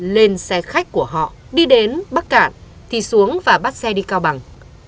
lên xe khách của họ đi đến bắc cạn thì xuống và bắt xe đi cao bằng